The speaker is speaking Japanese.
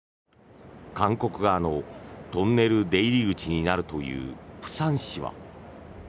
韓国側のトンネル出入り口になるという釜山市は。